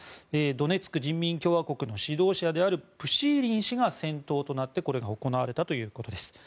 ドネツク人民共和国の指導者であるプシーリン氏が先頭となってこれが行われたということです。